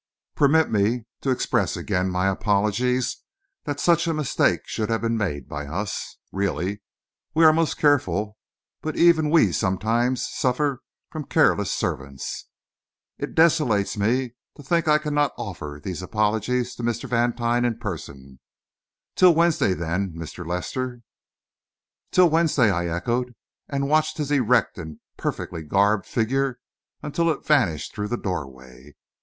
"Permit me to express again my apologies that such a mistake should have been made by us. Really, we are most careful; but even we sometimes suffer from careless servants. It desolates me to think that I cannot offer these apologies to Mr. Vantine in person. Till Wednesday, then, Mr. Lester." "Till Wednesday," I echoed, and watched his erect and perfectly garbed figure until it vanished through the doorway.